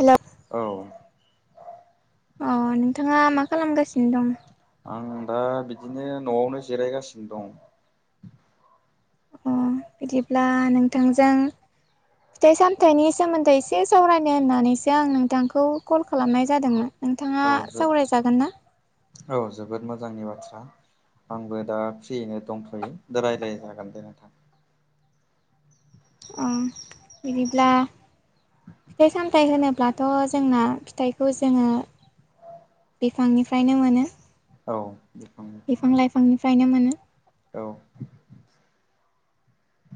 Hello औ अ नोंथाङा मा खालामगासिनो दं? आं दा बिदिनो न'वावनो जिरायगासिनो दं। अ बिदिब्ला नोंथांजों फिथाइ सामथाइनि सोमोन्दै एसे सावरायनो होननानैसो आं नोंथांखौ कल खालामनाय जादोंमोन नोंथाङा औ सावरायजागोन ना औ जोबोद मोजांनि बाथ्रा आंबो दा फ्रियैनो दंथ'यो रायलाय जागोन दे नोंथां ओ बिदिब्ला फिथाइ सामथाइ होनोब्लाथ' जोंना फिथाइखौ जोङो बिफांनिफ्रायनो मोनो औ बिफां लाइफांनिफ्रायनो मोनो औ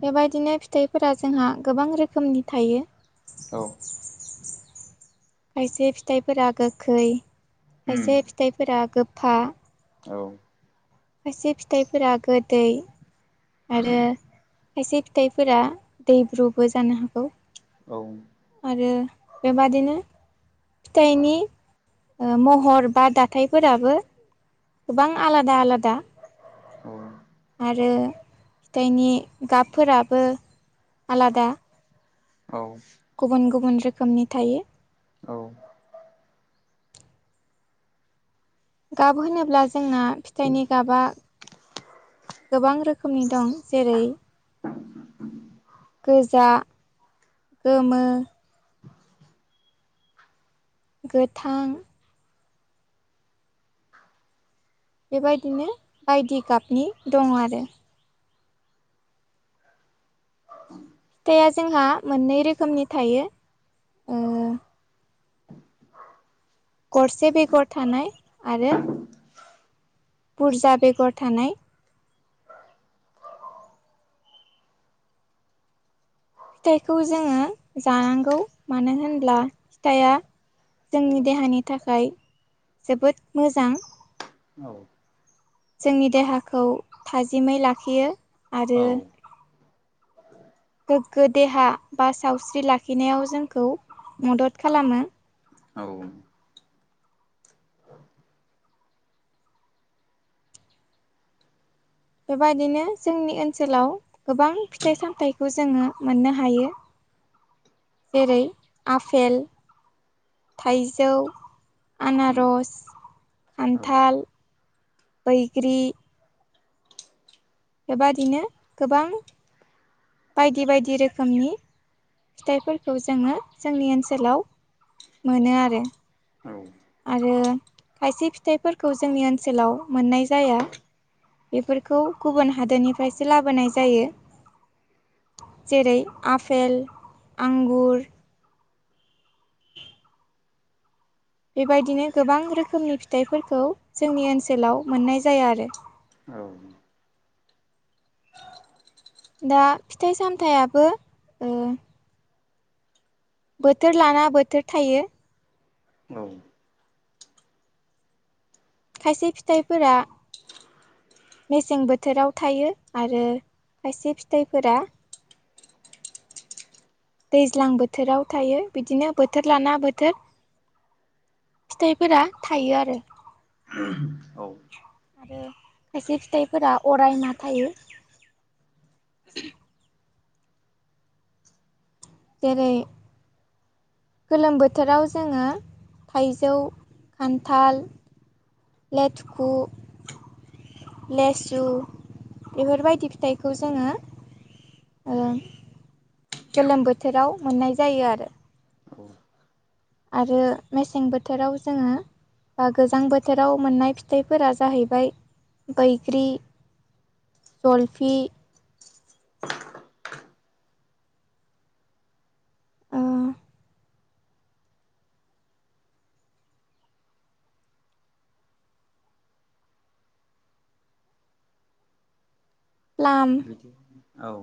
बेबायदिनो फिथाइफोरा जोंहा गोबां रोखोमनि थायो औ खायसे फिथाइफोरा गोखै उम खायसे फिथाइफोरा गो फा औ खायसे फिथाइफोरा गोदै आरो खायसे फिथाइफोरा दैब्रुबो जानो हागौ औ आरो बेबादिनो फिथाइनि ओ महर बा दाथायफोराबो गोबां आलादा आलादा औ आरो फिथाइनि गाबफोराबो आलादा औ गुबुन गुबुन रोखोमनि थायो औ नोंथां गाब होनोब्ला जोंना फिथाइनि गाबा गोबां रोखोमनि दं जेरै गोजा गोमो गोथां बेबायदिनो बायदि गाबनि दं आरो [inaudible] या जोंहा मोननै रोखोमनि थायो ओ गरसे बेगर थानाय आरो बुरजा बेगर थानाय फिथाइखौ जोङो जानांगौ मानो होनब्ला फिथाया जोंनि देहानि थाखाय जोबोद मोजां औ जोंनि देहाखौ थाजिमै लाखियो औ आरो गोग्गो देहा बा सावस्रि लाखिनायाव जोंखौ मदद खालामो। औ। बेबायदिनो जोंनि ओनसोलाव गोबां फिथाइ सामथाइखौ जोङो मोननो हायो [inaudible] जेरै आफेल थाइजौ आनारस औ खान्थाल बैग्रि बेबादिनो गोबां बायदि बायदि रोखोमनि फिथाइफोरखौ जोङो जोंनि ओनसोलाव मोनो आरो आरो खायसे फिथाइफोरखौ जोंनि ओनसोलाव मोननाय जाया बेफोरखौ गुबुन हादोरनिफ्रायसो लाबोनाय जायो जेरै आपेल आंगुर बेबायदिनो गोबां रोखोमनि फिथाइफोरखौ जोंनि ओनसोलाव मोननाय जाया आरो औ। दा फिथाइ सामथाइयाबो ओ बोथोर लाना बोथोर थायो। औ। खायसे फिथाइफोरा मेसें बोथोराव थायो आरो खायसे फिथाइफोरा। दैज्लां बोथोराव थायो बिदिनो बोथोर लाना बोथोर। फिथाइफोरा थायो आरो। औ। आरो खायसे फिथाइफोरा अरायमा थायो। [inaudible] जेरै गोलोम बोथोराव जोङो थाइजौ, खान्थाल लेटुखु लेसु बेफोरबायदि फिथाइखौ जोङो। ओ गोलोम बोथोराव मोननाय जायो आरो। औ। आरो मेसें बोथोर बोथोराव जोङो बा गोजां बोथोराव मोननाय फिथाइफोरा जाहैबाय। बैग्रि, जलफि ओ प्लाम बिदि औ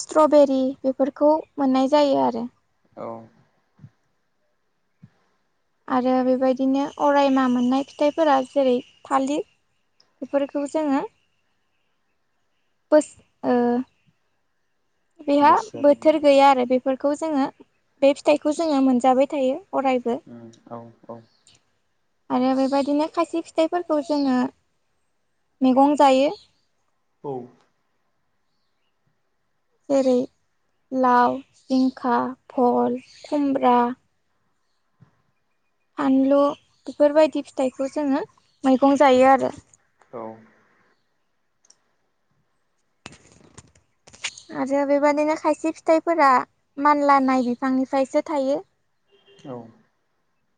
स्ट्रबेरि बेफोरखौ मोननाय जायो आरो। औ। आरो बेबायदिनो अरायमा मोननाय फिथाइफोरा जेरै थालिर। बेफोरखौ जोङो बोस ओ बेहा बोसोर उम बोथोर गैया आरो बेफोरखौ जोङो बे फिथाइखौ जोङो मोनजाबाय थायो। अरायबो औ औ आरो बे बायदिनो खायसे फिथाइफोरखौ जोङो मैगं जायो। औ। जेरै लाव, जिंखा, भल, खुमब्रा फानलु बेफोरबायदि फिथाइखौ जोङो मैगं जायो आरो। [inaudible] आरो बेबादिनो खायसे फिथाइफोरा मानला नाय बिफांनिफ्रायसो थायो। औ।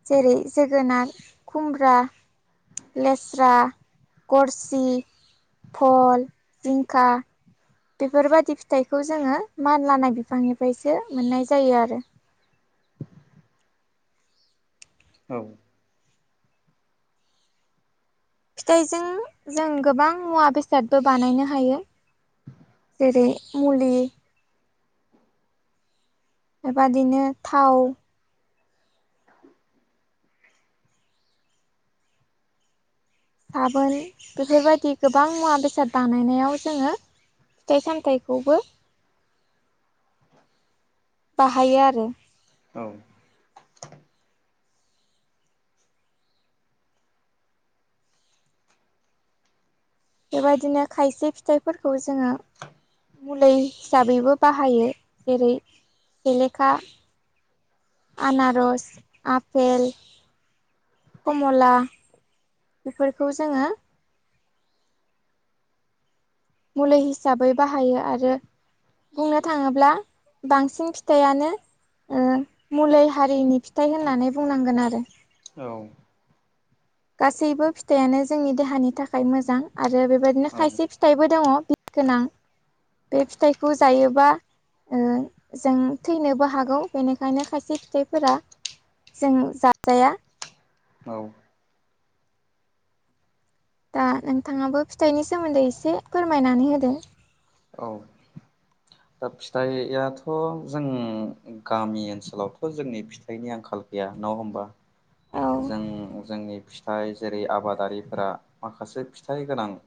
जेरै जोगोनार, खुमब्रा लेस्रा, गरसि फल, जिंखा बेफोरबादि फिथाइखौ जोङो मानलानाय बिफांनिफ्रायसो मोननाय जायो आरो। औ फिथाइजों जों गोबां मुवा बेसादबो बानायनो हायो। जेरै मुलि बेबादिनो थाव साबोन बेफोरबायदि गोबां मुवा बेसाद बानायनायाव जोङो। फिथाइ सामथाइखौबो बाहायो आरो। औ। बेबायदिनो खायसे फिथाइफोरखौ जोङो। मुलै हिसाबैबो बाहायो जेरै सेलेखा आनारस, आफेल कमला बेफोरखौ जोङो मुलि हिसाबै बाहायो आरो बुंनो थाङोब्ला बांसिन फिथाइयानो मुलै हारिनि फिथाइ होननानै बुंनांगोन आरो। औ औ गासैबो फिथाइयानो जोंनि देहानि थाखाय मोजां आरो बेबायदिनो औ खायसे फिथाइबो दङ गोनां बे फिथाइखौ जायोबा जों थैनोबो हागौ। बेनिखायनो खायसे फिथाइफोरा जों जाजाया। औ दा नोंथाङाबो फिथाइनि सोमोन्दै एसे फोरमायनानै होदो। औ दा फिथाइयाथ' जों गामि ओनसोलावथ' जोंनि फिथाइनि आंखाल गैया नङा होमबा औ जों जोंनि फि थाइ जेरै आबादारिफोरा माखासे फिथाइ गोनां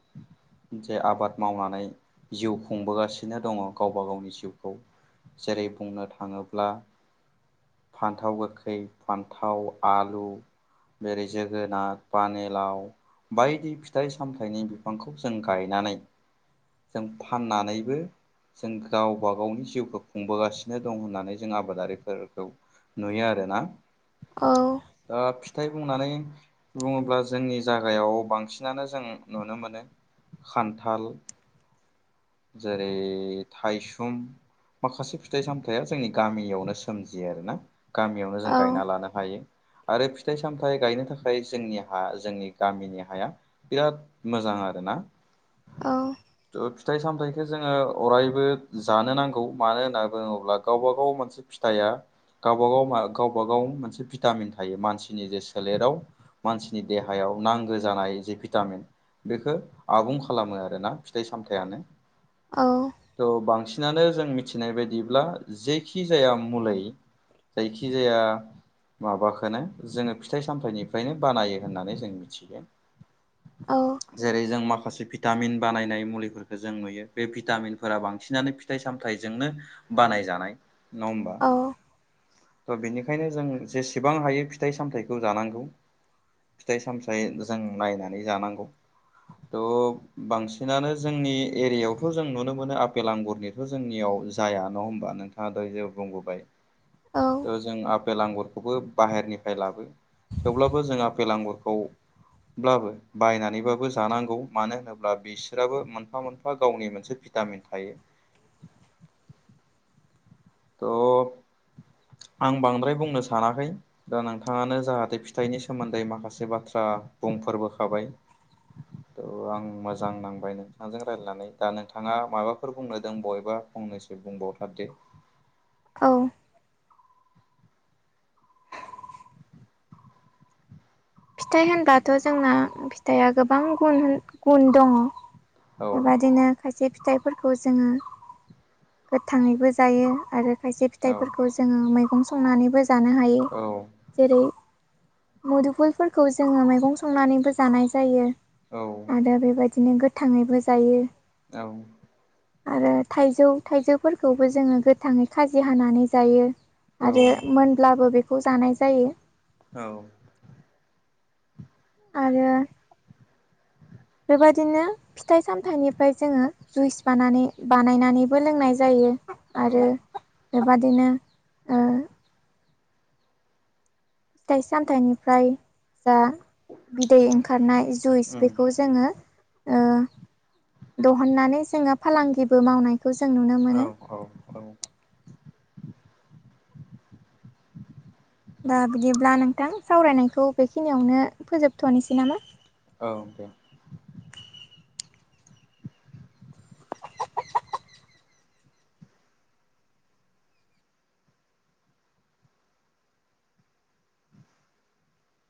जे आबाद मावनानै जिउ खुंबोगासिनो दङ गावबा गावनि जिउखौ जेरै बुंनो थाङोब्ला फान्थाव गोखै फान्थाव आलु जेरै जोगोनार पानिलाव बायदि फिथाइ सामथाइनि बिफांखौ जों गायनानै जों फाननानैबो जों गावबा गावनि जिउखौ खुंबोगासिनो दं होननानै जों आबादारिफोरखौ नुयो आरो ना। औ दा फिथाइ बुंनानै बुङोब्ला जोंनि जागायाव बांसिनानो जों नुनो मोनो खान्थाल जेरै थाइसुम माखासे फिथाइ सामथायाइया जोंनि गामियावनो सोमजियो आरोना गामियावनो जों औ गायना लानो हायो। आरो फिथाइ सामथायाइ गायनो थाखाय जोंनि हा जोंनि गामिनि हाया बिराद मोजां आरो ना। ना औ थ फिथाइ सामथायाइखौ जोङो अरायबो जानो नांगौ मानो होनना बुङोब्ला गावबा गाव मोनसे फिथाइआ गावबा गाव गावबा गाव मोनसे भिटामिन थ मानसिनि जे सोलेराव मानसिनि देहायाव नांगौ जानाय जे भिटामिन बेखौ आबुं खालामो आरोना फिथाइ सामथायाइयानो। थ' बांसिन बिनानो जों मिथिनाय बायदिब्ला जेखि जाया मुलै जायखि जाया माबाखौ खौनो जोङो फिथाइ सामथायाइनिफ्रायनो बानायो होननानै जों मिथियो। औ जेरै जों माखासे माखासे भिटामिन बानायनाय मुलिफोरखौ जों नुयो बे भिटामिनफोरा बांसिनानो फिथाइ सामथाइजोंनो बानाय जानाय नङा होमबा औ त बेनिखायनो जों जेसे गोबां हायो फिथाइ सामथायाइखौ जानांगौ। फिथाइ सामथाइ जों नायनानै जानांगौ। थ बांसिनानो जोंनि एरियायावथ' जों नुनो मोनो आपेल आंगुरनिथ' जोंनियाव जाया ना नङा होनबा नोंथाङा द जे बुंबोबाय औ थ जों आपेल आंगुरखौबो बाहेरनिफ्राय लाबो थेवब्लाबो जोंहा आपेल आंगुरखौ बो बायनानैबाबो जानांगौ मानो होनोब्ला बिसोराबो मोनफा मोनफा गावनि मोनसे भिटामिन थायो। त' आं बांद्राय बुंनो सानाखै दा नोंथाङानो जाहाथे फिथाइनि सोमोन्दै माखासे बाथ्रा बुं फोरबो थाबाय आं मोजां नांबाय नोंथांजों रायलायनानै दा नोंथाङा माबाफोर बुंनो दं बबेबा फंनैसो बुंदों। ओ नोंथां दे औ फिथाइ होनब्लाथ' जोंना फिथाइआ गोबां गुन गुन दङ। औ बेबादिनो खायसे फिथाइफोरखौ जोङो गोथाङैबो जायो आरो खायसे औ फिथाइफोरखौ जोङो मैगं संनानैबो जानो हायो औ जेरै मुदुफुलफोरखौ जोङो मैगं संनानैबो जानाय जायो औ आरो बेबायदि बिदिनो गोथाङैबो जायो। औ आरो थाइजौ थाइजौफोरखौबो जोङो गोथाङै खाजि हानानै जायो। औ आरो मोनब्लाबो बेखौ जानाय जायो। औ आरो बेबायदिनो फिथाइ सामथाइनिफ्राय जोङो जुइस बानानै बानायनानैबो लोंनाय जायो। आरो औ बेबादिनो ओ फिथाइ सामथाइनिफ्राय जा बिदै ओंखारनाय जुइस बेखौ जोङो अ दिहुननानै जोङो फालांगिबो मावनाय औ औ औ दा बिदिब्ला नोंथां सावरायनायखौ बेखिनियावनो फोजोबथ'नोसै नामा? औ दे